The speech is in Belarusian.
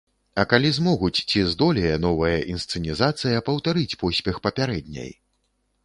А калі змогуць, ці здолее новая інсцэнізацыя паўтарыць поспех папярэдняй?